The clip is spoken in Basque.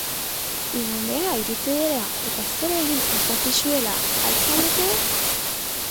Igandea iritsi dela eta zer egin ez dakizuela al zaudete?